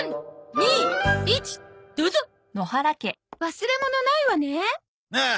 忘れ物ないわね？